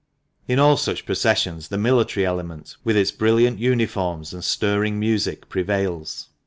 In all such processions the military element, with its brilliant uniforms and stirring music, prevails.